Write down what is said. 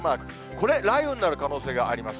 これ、雷雨になる可能性があります。